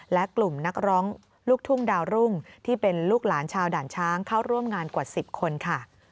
และกลุ่มนักร้องลูกทุ่งดาวรุ่งที่เป็นลูกหลานชาวด่านช้างเข้าร่วมงานกว่า๑๐คนค่ะ